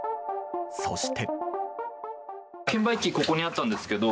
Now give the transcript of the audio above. そして。